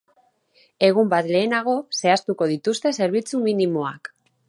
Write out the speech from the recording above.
Egun bat lehenago zehaztuko dituzte zerbitzu minimoak.